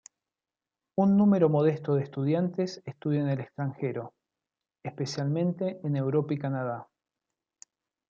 Un número modesto de estudiantes estudia en el extranjero, especialmente en Europa y Canadá.